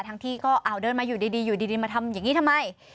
ที่ก็เดินมาอยู่ดีอยู่ดีมาทำอย่างนี้ทำไม